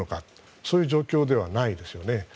そういう状況ではないですよね。